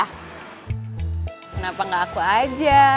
kenapa gak aku aja